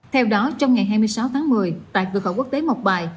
theo đó trong ngày hai mươi sáu tháng một mươi tại cửa khẩu quốc tế mộc bài